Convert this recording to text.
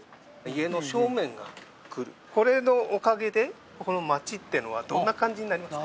これのおかげでこの町っていうのはどんな感じになりますか？